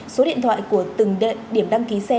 số điện thoại của từng địa điểm đăng ký xe